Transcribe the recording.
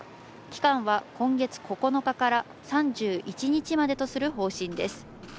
期間は今月９日から３１日までとする方針です。